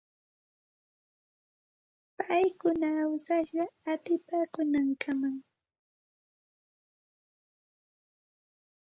Paykuna awsashqa utipaakuunankamam.